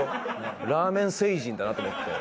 ラーメン聖人だなと思って。